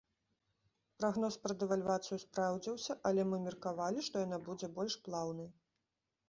Прагноз пра дэвальвацыю спраўдзіўся, але мы меркавалі, што яна будзе больш плаўнай.